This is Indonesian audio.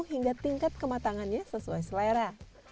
hingga tingkat kematangannya sesuai selera